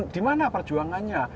di mana perjuangannya